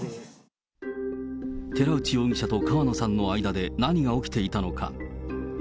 寺内容疑者と川野さんの間で何が起きていたのか。